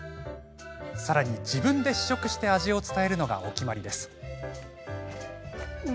さらに自分で試食して味を伝えるのがお決まりです。